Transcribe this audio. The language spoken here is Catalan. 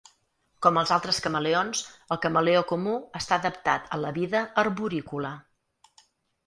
Com els altres camaleons, el camaleó comú està adaptat a la vida arborícola.